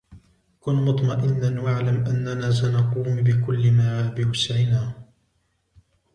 كن مطمئنا و اعلم أننا سنقوم بكل ما بوسعنا.